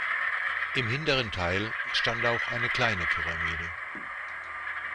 Im hinteren Teil stand auch eine kleine Pyramide.